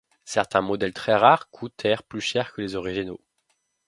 Certains modèles très rares coutèrent plus cher que les originaux.